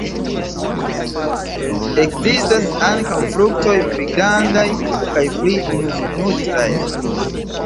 Ekzistas ankaŭ fruktoj pli grandaj kaj pli nutraj.